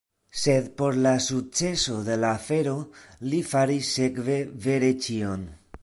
Sed por la sukceso de la afero li faris sekve vere ĉion.